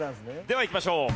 ではいきましょう。